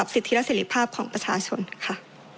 สิทธิและเสร็จภาพของประชาชนค่ะ